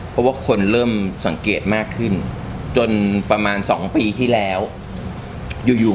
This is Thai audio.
เพราะว่าคนเริ่มสังเกตมากขึ้นจนประมาณ๒ปีที่แล้วอยู่อยู่